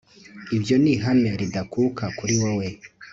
ibyo n' ihame ridakuka kuri wowe